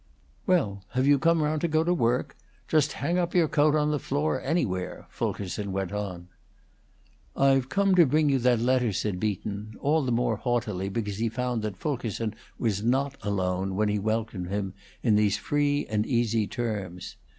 "Well, have you come round to go to work? Just hang up your coat on the floor anywhere," Fulkerson went on. "I've come to bring you that letter," said Beaton, all the more haughtily because he found that Fulkerson was not alone when he welcomed him in these free and easy terms.